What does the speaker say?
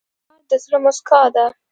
سهار د زړه موسکا ده.